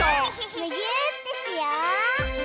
むぎゅーってしよう！